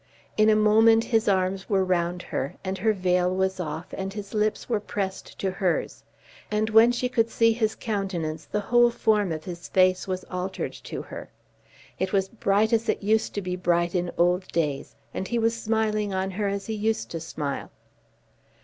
In a moment his arms were round her, and her veil was off, and his lips were pressed to hers; and when she could see his countenance the whole form of his face was altered to her. It was bright as it used to be bright in old days, and he was smiling on her as he used to smile.